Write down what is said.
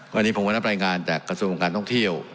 วันนี้ผมก็รับรายงานจากกระทรวงการท่องเที่ยว